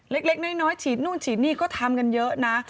เล็กน้อยชีวิตนู้นชีวิตนี่ก็ทำกันเยอะนะ